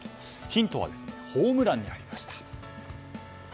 ヒントはホームランにありました。